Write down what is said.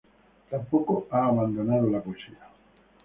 Tampoco ha abandonado la poesía.